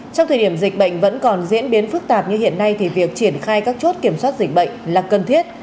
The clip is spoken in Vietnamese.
trong thời điểm dịch bệnh vẫn còn diễn biến phức tạp như hiện nay thì việc triển khai các chốt kiểm soát dịch bệnh là cần thiết